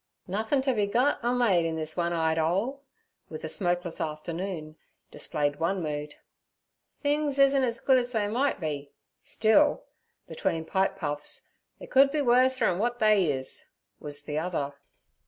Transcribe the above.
'Nothin' t' be gut er made in this one eyed 'ole' with a smokeless afternoon, displayed one mood. 'Things isen ez good ez they might be; still'—between pipe puffs—'they could be wurser 'n w'at they is' was the other.